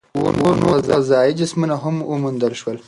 اووه نور فضايي جسمونه هم وموندل شول.